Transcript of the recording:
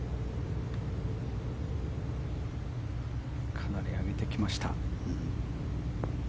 かなり上げてきました。